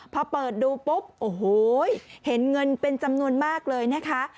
พอเปิดดูปุ๊บโอ้โหเห็นเงินเป็นจำนวนมากเลยนะคะ